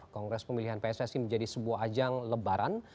kongres pemilihan pssi menjadi sebuah ajang lebaran